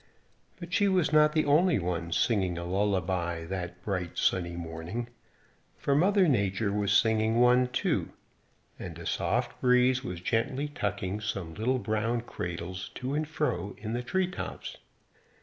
But she was not the only one singing a lullaby that bright sunny morning, for Mother Nature was singing one, too, and a soft breeze was gently tucking some little brown cradles to and fro in the tree tops.